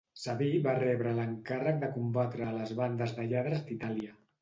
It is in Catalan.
Sabí va rebre l'encàrrec de combatre a les bandes de lladres d'Itàlia.